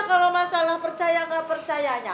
kalau masalah percaya nggak percayanya